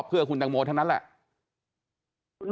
เพื่อคุณตังโมทั้งนั้นแหละ